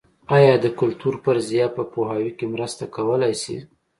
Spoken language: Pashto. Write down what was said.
ایا د کلتور فرضیه په پوهاوي کې مرسته کولای شي؟